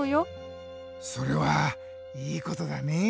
それはいいことだね。